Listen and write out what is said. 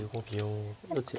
どちらか。